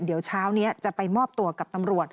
เดี๋ยวเช้านี้จะไปมอบตัวกับตำรวจ